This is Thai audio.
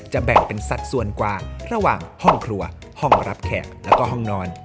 แบ่งเป็นสัดส่วนกว่าระหว่างห้องครัวห้องรับแขกแล้วก็ห้องนอน